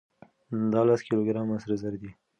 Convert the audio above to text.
دا لس کيلو ګرامه سره زر دي.